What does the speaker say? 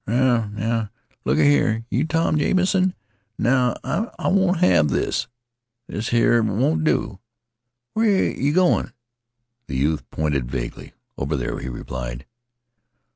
"Now now look a here, you Tom Jamison now I won't have this this here won't do. Where where yeh goin'?" The youth pointed vaguely. "Over there," he replied.